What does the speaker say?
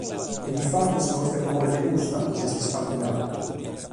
E difatis no est pro more de custa chi s'est isparghinada.